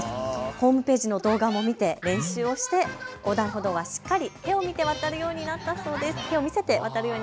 ホームページの動画も見て練習をして横断歩道はしっかり手を見せて渡るようになったそうです。